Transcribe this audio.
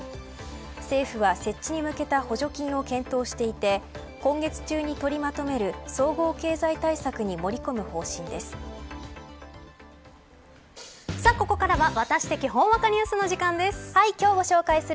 政府は設置に向けた補助金を検討していて今月中に取りまとめる総合経済対策に盛り込む方針です。